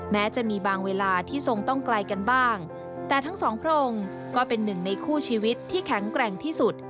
แม้จะมีบางเวลาที่ทรงต้องไกลกันบ้างแต่ทั้งสองพระองค์ก็เป็นหนึ่งในคู่ชีวิตที่แข็งแกร่งที่สุด